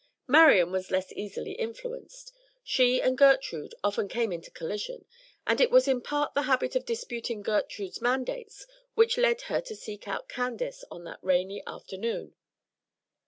Marian was less easily influenced. She and Gertrude often came into collision; and it was in part the habit of disputing Gertrude's mandates which led her to seek out Candace on that rainy afternoon.